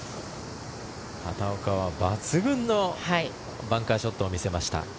畑岡は抜群のバンカーショットを見せました。